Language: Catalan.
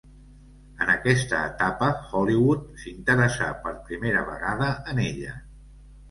En aquesta etapa, Hollywood s'interessà per primera vegada en ella.